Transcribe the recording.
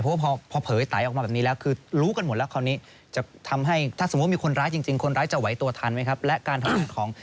พอเผยไตล่ออกมาแบบนี้แล้วคือจะทำให้คนร้ายจริง